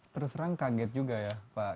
terus terang kaget juga ya pak